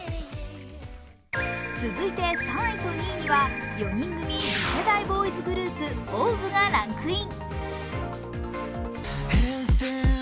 続いて３位と２位には４人組次世代ボーイズグループ、ＯＷＶがランクイン。